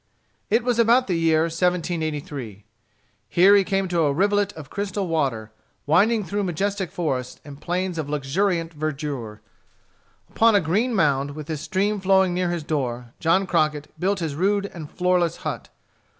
It was about the year 1783. Here he came to a rivulet of crystal water, winding through majestic forests and plains of luxuriant verdure. Upon a green mound, with this stream flowing near his door, John Crockett built his rude and floorless hut.